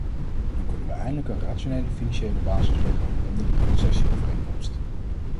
Dan kunnen we eindelijk een rationele financiële basis leggen onder die concessieovereenkomst.